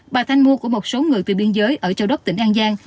bà thanh mua của một số người từ biên giới ở châu đốc tỉnh an giang